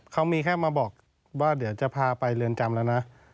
เขามีแค่มาบอกว่าเดี๋ยวจะพาไปเรือนจำแล้วนะ